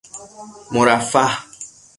مرفه